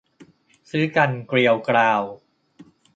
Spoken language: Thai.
ชื้อกันเกรียวกราว